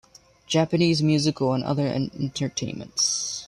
Japanese Musical and other Entertainments.